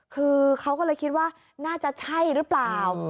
คือเขาก็เลยคิดว่าน่าจะใช่หรือเปล่า